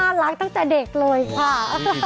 น่ารักตั้งแต่เด็กเลยค่ะ